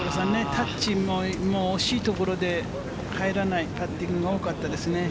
タッチも惜しいところで入らないパッティングが多かったですね。